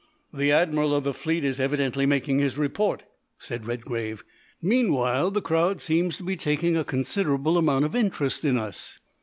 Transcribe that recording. "The Admiral of the Fleet is evidently making his report," said Redgrave. "Meanwhile, the crowd seems to be taking a considerable amount of interest in us."